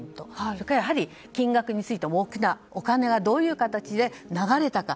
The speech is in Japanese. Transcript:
それから、金額についてこのお金はどういう形で流れたか。